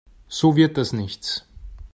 So wird das nichts.